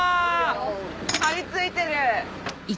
張り付いてる！